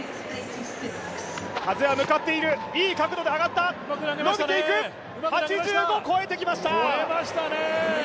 風は向かっている、いい角度で上がった伸びていく８５を越えてきました。